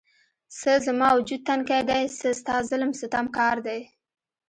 څه زما وجود تنکی دی، څه ستا ظلم ستم کار دی